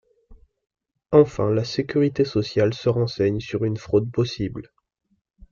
Enfin, la sécurité sociale se renseigne sur une fraude possible.